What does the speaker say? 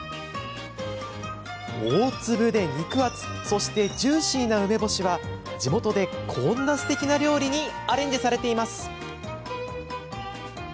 大粒で肉厚そしてジューシーな梅干しは地元で、こんなすてきな料理にアレンジされています。